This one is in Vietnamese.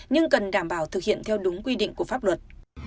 nhưng cần đảm bảo thực hiện theo đúng quy định của pháp luật